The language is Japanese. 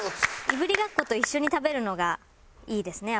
いぶりがっこと一緒に食べるのがいいですね